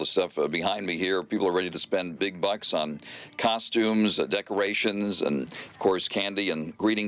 สินค้าชนิดอื่นกว่า๙๑บิลลิอนที่พูดถึงเมื่อกี้